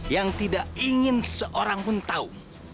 yang tidak ingin seorang pun tahu